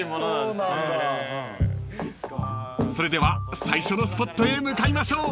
［それでは最初のスポットへ向かいましょう］